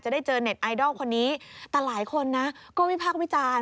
จะได้เจอเน็ตไอดอลคนนี้แต่หลายคนนะก็ไม่พักไม่จาน